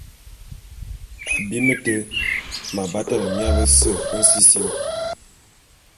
Abim té m’abatane mia bese nsisim.